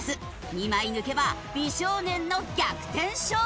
２枚抜けば美少年の逆転勝利。